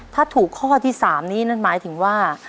ถ้าถูกข้อที่๓นี้นั่นหมายถึงว่า